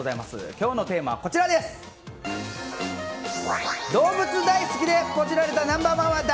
今日のテーマは動物大好きでポチられたナンバー１は誰？